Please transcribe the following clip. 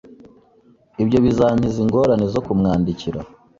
Ibyo bizankiza ingorane zo kumwandikira